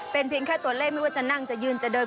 เป็นเพียงแค่ตัวเลขไม่ว่าจะนั่งจะยืนจะเดิน